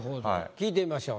聞いてみましょう。